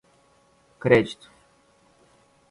crédito